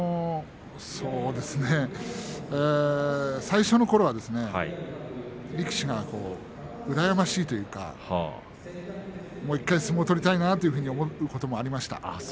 最初のころは力士が羨ましいというかもう１回相撲を取りたいなと思うこともありました。